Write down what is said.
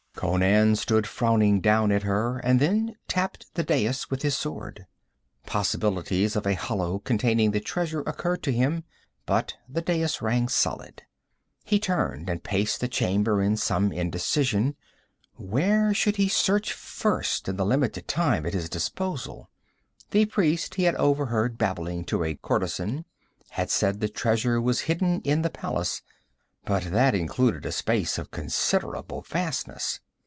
Conan stood frowning down at her, and then tapped the dais with his sword. Possibilities of a hollow containing the treasure occurred to him, but the dais rang solid. He turned and paced the chamber in some indecision. Where should he search first, in the limited time at his disposal? The priest he had overheard babbling to a courtesan had said the treasure was hidden in the palace. But that included a space of considerable vastness.